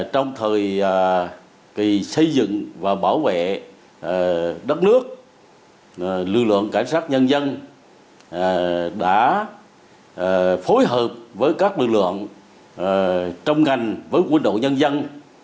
trong thời kỳ xây dựng và bảo vệ đất nước lực lượng cảnh sát nhân dân đã phối hợp với các lực lượng trong ngành với quân đội nhân dân